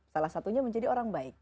salah satunya menjadi orang baik